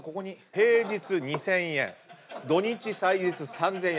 平日２，０００円土日祭日３，０００円。